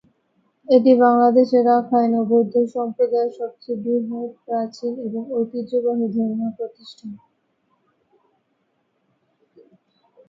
এটি বাংলাদেশের রাখাইন ও বৌদ্ধ সম্প্রদায়ের সবচেয়ে বৃহৎ, প্রাচীন এবং ঐতিহ্যবাহী ধর্মীয় প্রতিষ্ঠান।